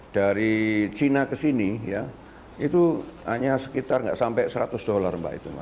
dari china ke sini itu hanya sekitar nggak sampai seratus dolar